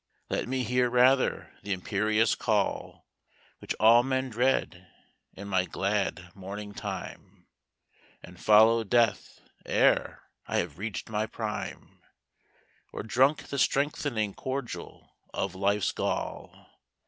Let me hear rather the imperious call, Which all men dread, in my glad morning time, And follow death ere I have reached my prime, Or drunk the strengthening cordial of life's gall.